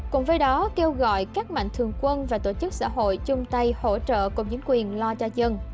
cùng với đó kêu gọi các mạnh thường quân và tổ chức xã hội chung tay hỗ trợ cùng chính quyền lo cho dân